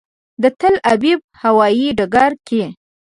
د تل ابیب هوایي ډګر کې.